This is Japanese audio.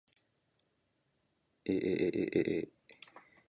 aaaa